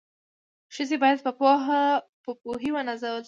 ښځي بايد په پوهي و نازول سي